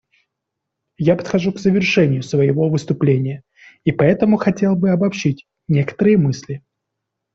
Я подхожу к завершению своего выступления, и поэтому хотел бы обобщить некоторые мысли.